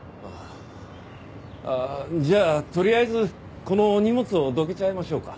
あっじゃあとりあえずこの荷物をどけちゃいましょうか。